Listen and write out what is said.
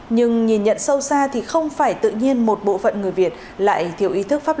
nhưng nhìn sâu xa thì không phải một bộ phận người việt lại thiếu ý thức pháp luật